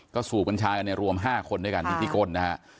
ก็สูบกัญชากันในรวม๕คนด้วยกันพิธีกลนะฮะ